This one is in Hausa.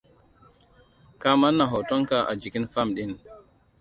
Ka manna hotonka a jikin fam ɗin.